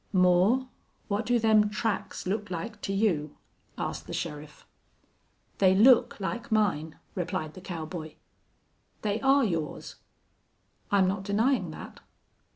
"Moore, what do them tracks look like to you?" asked the sheriff. "They look like mine," replied the cowboy. "They are yours." "I'm not denying that."